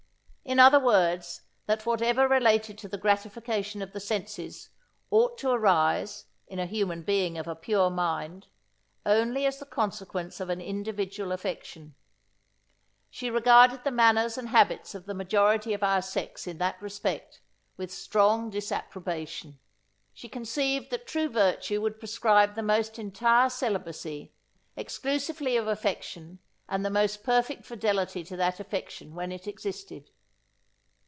In other words, that whatever related to the gratification of the senses, ought to arise, in a human being of a pure mind, only as the consequence of an individual affection. She regarded the manners and habits of the majority of our sex in that respect, with strong disapprobation. She conceived that true virtue would prescribe the most entire celibacy, exclusively of affection, and the most perfect fidelity to that affection when it existed.